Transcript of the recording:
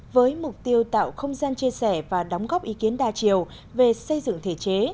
với mục tiêu tạo không gian chia sẻ và đóng góp ý kiến đa chiều về xây dựng thể chế